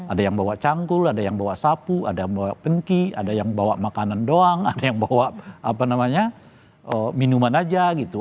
ada yang bawa cangkul ada yang bawa sapu ada yang bawa penki ada yang bawa makanan doang ada yang bawa minuman aja gitu